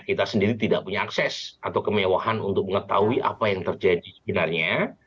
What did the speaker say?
kita sendiri tidak punya akses atau kemewahan untuk mengetahui apa yang terjadi sebenarnya